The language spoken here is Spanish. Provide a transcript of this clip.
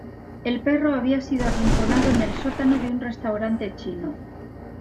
El perro había sido arrinconado en el sótano de un restaurante chino.